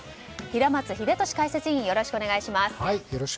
平松秀敏解説委員よろしくお願いします。